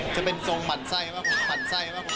จะเป็นทรงหมั่นไส้หมั่นไส้หมั่นไส้